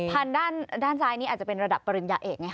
ด้านซ้ายนี้อาจจะเป็นระดับปริญญาเอกไงค